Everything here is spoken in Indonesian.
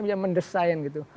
bisa mendesain gitu